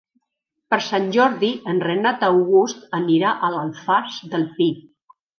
Per Sant Jordi en Renat August anirà a l'Alfàs del Pi.